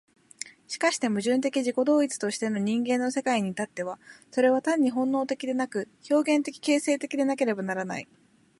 しかして矛盾的自己同一としての人間の世界に至っては、それは単に本能的でなく、表現的形成的でなければならない。